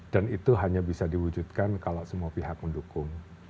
dan itu hanya bisa diwujudkan kalau semua pihak mendukung